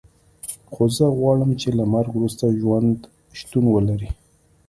خو زه غواړم چې له مرګ وروسته ژوند شتون ولري